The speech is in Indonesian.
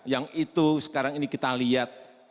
yang itu sekarang ini kita lihat